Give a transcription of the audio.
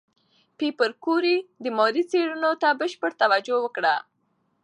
پېیر کوري د ماري څېړنو ته بشپړ توجه ورکړه.